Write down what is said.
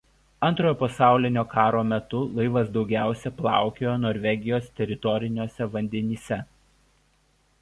Antrojo pasaulinio karo metu laivas daugiausiai plaukiojo Norvegijos teritoriniuose vandenyse.